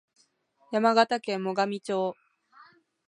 山形県最上町